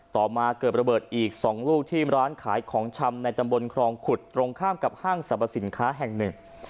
ต่อมาเกิดระเบิดอีก๒ลูกที่ร้านขายของชำในตำบลครองขุดตรงข้ามกับห้างสรรพสินค้าแห่งหนึ่ง